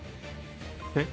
えっ？